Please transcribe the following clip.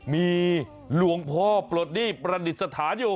มีหลวงพ่อปลดหนี้ประดิษฐานอยู่